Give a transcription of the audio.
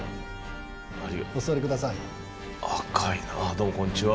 どうもこんにちは。